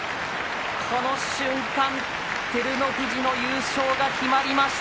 この瞬間、照ノ富士の優勝が決まりました。